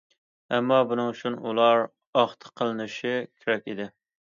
ئەمما، بۇنىڭ ئۈچۈن ئۇلار« ئاختا» قىلىنىشى كېرەك ئىدى.